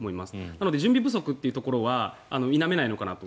なので、準備不足というところは否めないのかなと。